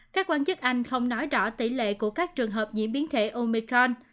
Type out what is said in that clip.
các quan chức anh không nói rõ tỷ lệ của các trường hợp diễn biến thể omicron